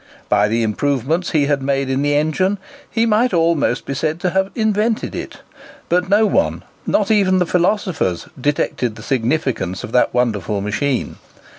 By the improvements he had made in the engine, he might almost be said to have invented it; but no one—not even the philosophers—detected the significance of that wonderful machine.